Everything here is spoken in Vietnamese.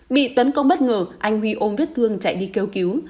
bị tấn công bất ngờ anh huy ôm vết thương chạy đi kêu cứu